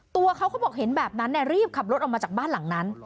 ตัวเขาก็บอกเห็นแบบนั้นรีบขับรถออกมาจากบ้านหลังนั้น